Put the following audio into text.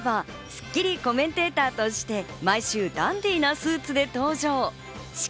さてモーリーさんといえば、スッキリコメンテーターとして毎週、ダンディーなスーツで登場。